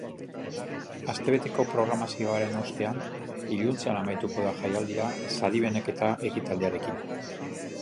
Astebeteko programazioaren ostean, iluntzean amaituko da jaialdia sari banaketa ekitaldiarekin.